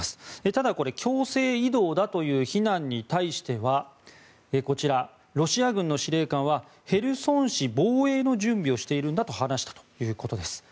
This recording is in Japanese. ただ、強制移動だという非難に対してはロシア軍の司令官はヘルソン市防衛の準備をしているんだと話したということです。